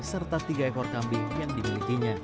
serta tiga ekor kambing yang dimilikinya